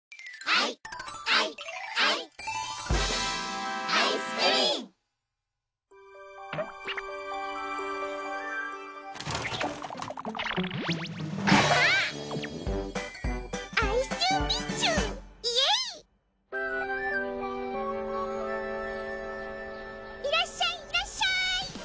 いらっしゃいいらっしゃい！